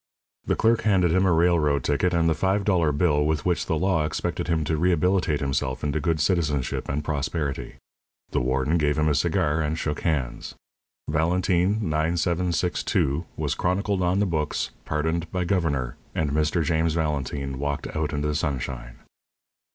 The clerk handed him a railroad ticket and the five dollar bill with which the law expected him to rehabilitate himself into good citizenship and prosperity. The warden gave him a cigar, and shook hands. Valentine, 9762, was chronicled on the books, "Pardoned by Governor," and Mr. James Valentine walked out into the sunshine.